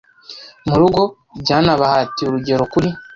Murugo byanabahatiye urugero kuri